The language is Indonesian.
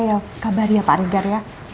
ya kabar ya pak regar ya